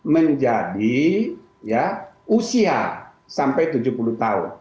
menjadi usia sampai tujuh puluh tahun